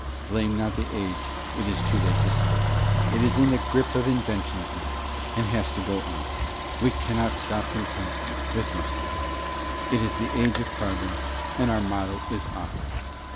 Blame not the age, it is now too late to stop; it is in the grip of inventions now, and has to go on; we cannot stop content with mustard gas; it is the age of Progress, and our motto is Onwards.